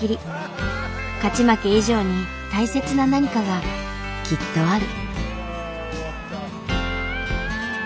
勝ち負け以上に大切な何かがきっとある。